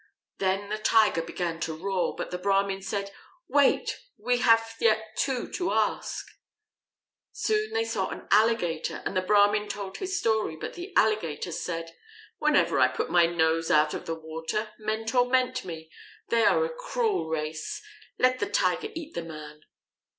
Then the Tiger began to roar, but the Brahmin said, "Wait! we have yet two to ask." Soon they saw an Alligator, and the Brahmin told his story. But the Alligator said: "Whenever I put my nose out of the water, men torment me. They are a cruel race. Let the Tiger eat the man."